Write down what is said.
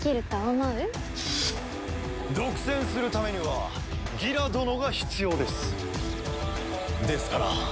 独占するためにはギラ殿が必要です。ですから。